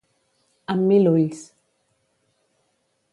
Amb mil ulls.